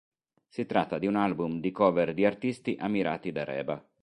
Si tratta di un album di cover di artisti ammirati da Reba.